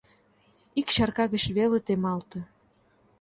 Ик чарка гыч вел темалте